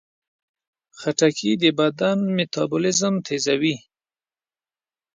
خټکی د بدن میتابولیزم تیزوي.